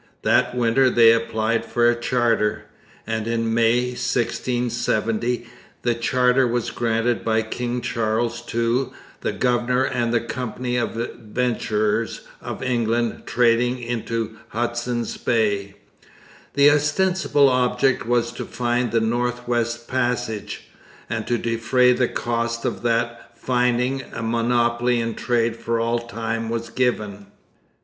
That winter they applied for a charter, and in May 1670 the charter was granted by King Charles to 'The Governor and Company of Adventurers of England trading into Hudson's Bay.' The ostensible object was to find the North West Passage; and to defray the cost of that finding a monopoly in trade for all time was given.